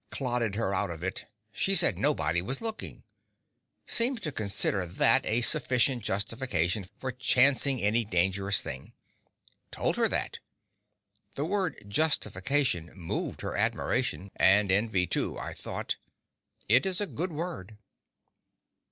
Clodded her out of it. She said nobody was looking. Seems to consider that a sufficient justification for chancing any dangerous thing. Told her that. The word justification moved her admiration—and envy too, I thought. It is a good word.